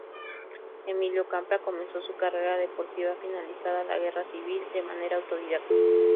Emilio Campra comenzó su carrera deportiva finalizada la Guerra Civil, de manera autodidacta.